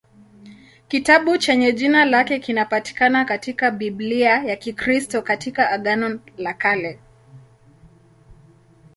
Kitabu chenye jina lake kinapatikana katika Biblia ya Kikristo katika Agano la Kale.